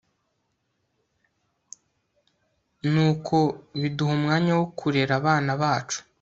ni uko biduha umwanya wo kurera abana bacu